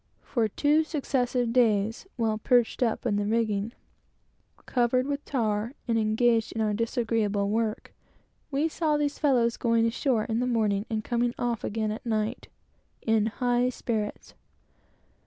For two successive days, while perched up in the rigging, covered with tar and engaged in our disagreeable work, we saw these fellows going ashore in the morning, and coming off again at night, in high spirits.